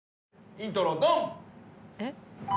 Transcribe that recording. イントロドン！